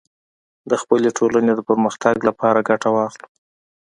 د خپلې ټولنې د پرمختګ لپاره ګټه واخلو